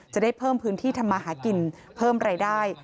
จะได้เพิ่มพื้นที่ทำมาหากินเพิ่มรายได้